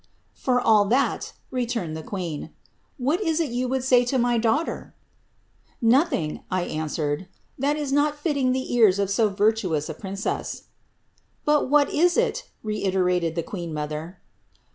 ^For all that," returned the queen, ^ what is it you would say to my daughter ?"'^ Nothing," 1 answered, ^ that is not fitting the ears of so virtuous a princess." ^ But what is it ?" reiterated the queen mother.